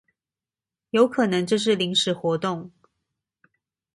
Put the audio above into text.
有可能這是臨時活動